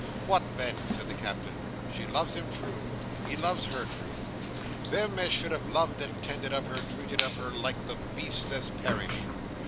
"What then?" said the Captain. "She loves him true. He loves her true. Them as should have loved and tended of her, treated of her like the beasts as perish.